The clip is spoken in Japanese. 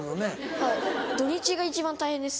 はい土・日が一番大変です。